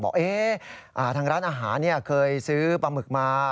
บอกเอ๊ะทางร้านอาหารเนี่ยเคยซื้อปลาหมึกมา